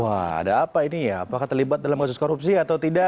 wah ada apa ini ya apakah terlibat dalam kasus korupsi atau tidak